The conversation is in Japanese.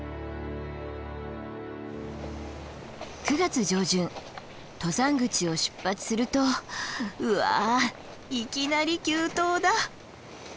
９月上旬登山口を出発するとうわいきなり急登だ！